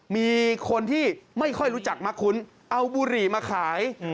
มีคนที่ไม่ค่อยรู้จักมักคุ้นเอาบุหรี่มาขาย